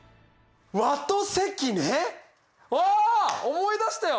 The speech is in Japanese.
思い出したよ！